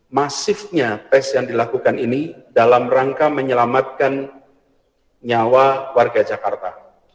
masifnya tes yang dilakukan ini dalam rangka menyelamatkan nyawa warga jakarta